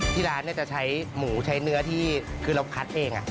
ที่ร้านจะใช้หมูใช้เนื้อที่คือเราคัดเอง